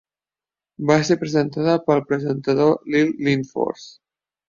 Va ser presentada pel presentador Lill Lindfors.